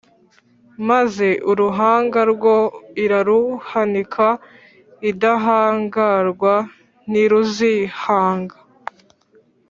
Maze uruhanga rwo iraruhanika Indahangarwa ntiruzihanga